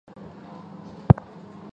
其周围常发生小型地震。